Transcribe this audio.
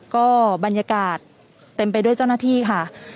ก็บรรยากาศเต็มไปด้วยเจ้าหน้าที่ค่ะ